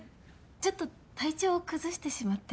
ちょっと体調を崩してしまって。